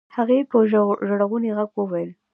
هغې په ژړغوني غږ وويل.